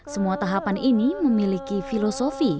semua tahapan ini memiliki filosofi